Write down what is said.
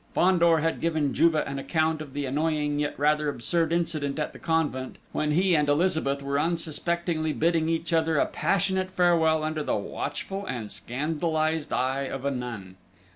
Fandor had given Juve an account of the annoying, yet rather absurd incident at the convent, when he and Elizabeth were unsuspectingly bidding each other a passionate farewell under the watchful and scandalised eye of a nun!